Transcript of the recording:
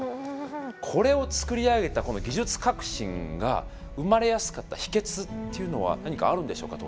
これを造り上げた技術革新が生まれやすかった秘けつっていうのは何かあるんでしょうか？